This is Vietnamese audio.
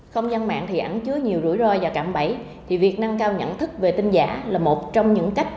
không gian mạng thì ảnh chứa nhiều rủi ro và cạm bẫy thì việc nâng cao nhận thức về tin giả là một trong những cách